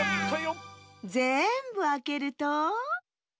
ぜんぶあけると？